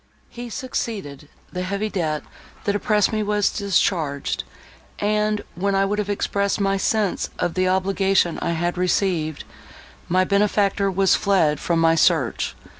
He succeeded; the heavy debt, that oppressed me, was discharged; and, when I would have expressed my sense of the obligation I had received, my benefactor was fled from my search.